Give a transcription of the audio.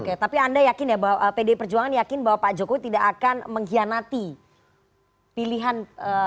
oke tapi anda yakin ya bahwa pdi perjuangan yakin bahwa pak jokowi tidak akan mengkhianati pilihan